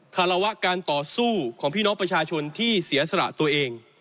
คารวะการต่อสู้ของพี่น้องประชาชนที่เสียสละตัวเอง